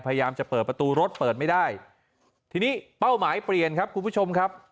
พยายามจะเปิดประตูรถเปิดไม่ได้ทีนี้เป้าหมายเปลี่ยนครับคุณผู้ชมครับ